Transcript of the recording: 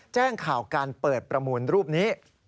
แจ้งข่าวการเปิดประมูลรูปนี้